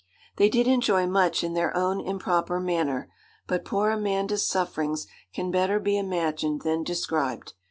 They did enjoy much in their own improper manner, but poor Amanda's sufferings can better be imagined than described.